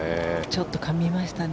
ちょっとかみましたね。